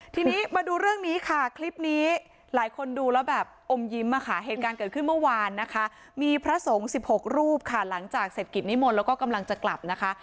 ทีนี้มาดูเรื่องนี้ค่ะคลิปนี้หลายคนดูแล้วแบบอมยิ้มอ่ะค่ะเหตุการณ์เกิดขึ้นเมื่อวานนะคะมีพระสงฆ์๑๖รูปค่ะหลังจากเสร็จกิจนิมนต์แล้วก็กำลังจะกลับนะคะ